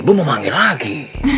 ibu mau manggil lagi